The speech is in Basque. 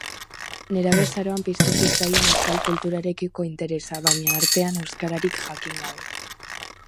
Nerabezaroan piztu zitzaion euskal kulturarekiko interesa, baina artean, euskararik jakin gabe.